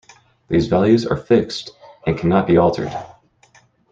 These values are fixed, and cannot be altered.